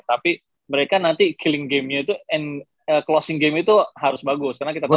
tapi mereka nanti killing game nya itu closing game itu harus bagus karena kita tau